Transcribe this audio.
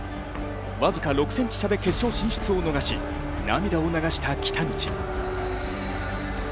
僅か６ｃｍ差で決勝進出を逃し涙を流した北口。